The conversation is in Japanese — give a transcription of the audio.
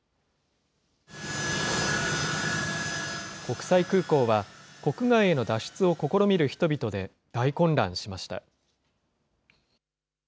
国際空港は、国外への脱出を試みる人々で大混乱しました。